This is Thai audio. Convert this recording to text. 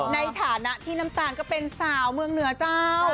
ในฐานะที่น้ำตาลก็เป็นสาวเมืองเหนือเจ้า